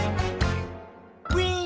「ウィン！」